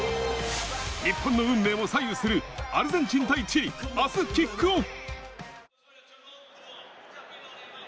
日本の運命も左右するアルゼンチン対チリ、明日キックオフ。